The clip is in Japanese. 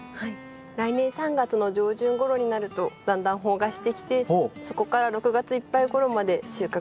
来年３月の上旬ごろになるとだんだん萌芽してきてそこから６月いっぱいごろまで収穫できます。